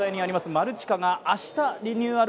マルチカが明日リニューアル